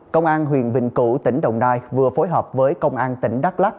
công an huyền bình cửu tỉnh đồng nai vừa phối hợp với công an tỉnh đắk lắc